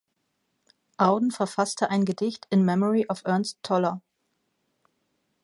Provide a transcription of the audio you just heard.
Auden verfasste ein Gedicht "In Memory of Ernst Toller".